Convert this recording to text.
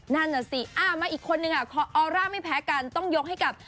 นั่นน่ะสิมาอีกคนนึงออร่าไม่แพ้กันต้องยกให้กับ